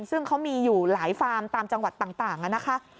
ซึ่งเขามีอยู่หลายฟาร์มตามจังหวัดต่างนะคะ